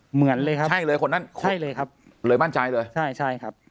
เหมือนเลยครับใช่เลยคนนั้นใช่เลยครับเลยมั่นใจเลยใช่ใช่ครับ